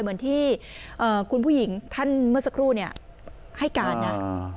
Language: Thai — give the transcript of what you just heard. เหมือนที่คุณผู้หญิงท่านเมื่อสักครู่เนี่ยให้การนะ